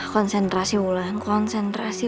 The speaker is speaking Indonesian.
konsentrasi wulan konsentrasi